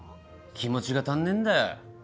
気持ちが足んねえんだよ。